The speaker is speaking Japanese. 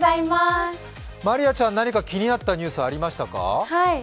まりあちゃん、何か気になったニュースありましたか？